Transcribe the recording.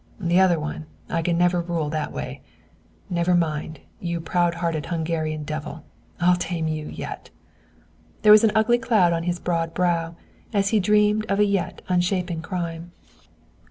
The other one, I can never rule that way. Never mind, you proud hearted Hungarian devil, I'll tame you yet." There was an ugly cloud on his broad brow as he dreamed of a yet unshapen crime.